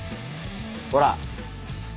ほら。